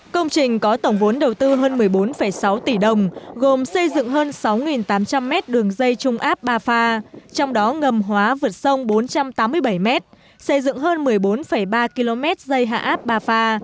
công trình có tổng vốn đầu tư hơn một mươi bốn sáu tỷ đồng gồm xây dựng hơn sáu tám trăm linh mét đường dây trung áp ba pha trong đó ngầm hóa vượt sông bốn trăm tám mươi bảy m xây dựng hơn một mươi bốn ba km dây hạ áp ba pha